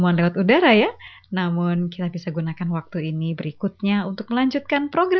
asal serapkan semua di dalam doa